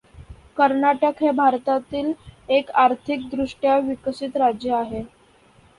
कर्नाटक हे भारतातील एक आर्थिक दृष्ट्या विकसित राज्य आहे.